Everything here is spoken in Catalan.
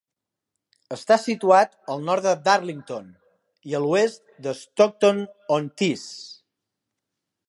Està situat al nord de Darlington, i a l'oest de Stockton-on-Tees.